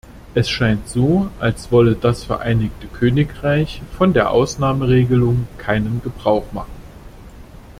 Es scheint so, als wolle das Vereinigte Königreich von der Ausnahmeregelung keinen Gebrauch machen.